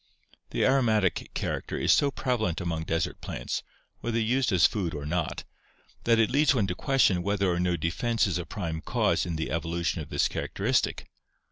The aromatic character is so prevalent among desert plants, whether used as food or not, that it leads one to question whether or no defense is a prime cause in the evolution of this characteristic.